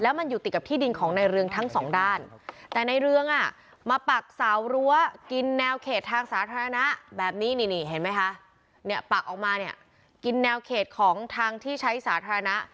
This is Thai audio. มันอยู่ติดกับที่ดินของในเรืองทั้งสองด้านแต่ในเรืองอ่ะมาปักเสารั้วกินแนวเขตทางสาธารณะแบบนี้นี่เห็นไหมคะเนี่ยปักออกมาเนี่ยกินแนวเขตของทางที่ใช้สาธารณะ